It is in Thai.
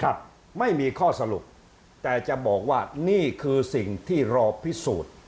ครับไม่มีข้อสรุปแต่จะบอกว่านี่คือสิ่งที่รอพิสูจน์